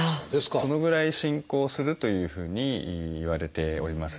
そのぐらい進行するというふうにいわれております。